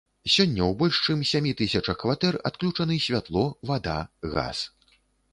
Сёння ў больш чым сямі тысячах кватэр адключаны святло, вада, газ.